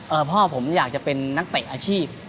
พ่อผมอยากจะเป็นนักเตะอาชีพ